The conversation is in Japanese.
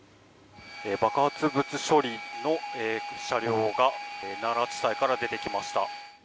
爆発物処理の車両が奈良地裁から出てきました。